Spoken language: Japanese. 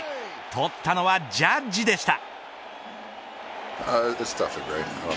取ったのはジャッジでした。